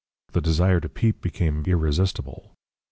The desire to peep became irresistible.